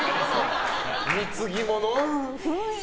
貢ぎ物？